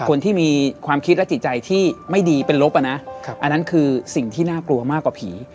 คนที่มีความคิดและจิตใจที่ไม่ดีเป็นลบอ่ะนะอันนั้นคือสิ่งที่น่ากลัวมากกว่าผี